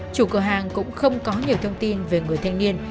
chủ cửa hàng cũng không có nhiều thông tin về người thanh niên